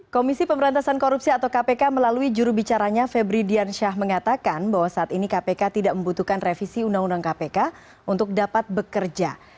komisi pemberantasan korupsi atau kpk melalui jurubicaranya febri diansyah mengatakan bahwa saat ini kpk tidak membutuhkan revisi undang undang kpk untuk dapat bekerja